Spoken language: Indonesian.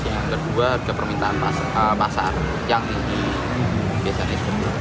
yang kedua ada permintaan pasar yang tinggi